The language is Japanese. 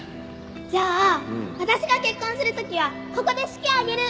じゃあ私が結婚する時はここで式挙げる！